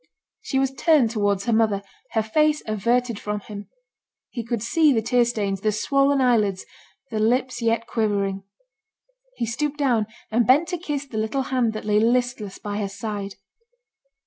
She was turned towards her mother, her face averted from him; he could see the tear stains, the swollen eyelids, the lips yet quivering: he stooped down, and bent to kiss the little hand that lay listless by her side.